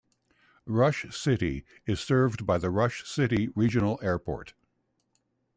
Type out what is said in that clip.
Rush City is served by the Rush City Regional Airport.